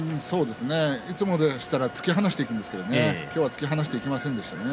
いつもでしたら突き放していくんですけれども今日は突き放していきませんでしたね。